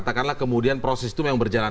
katakanlah kemudian proses itu memang berjalan